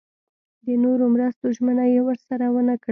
د نورو مرستو ژمنه یې ورسره ونه کړه.